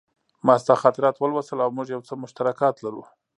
ما ستا خاطرات ولوستل او موږ یو څه مشترکات لرو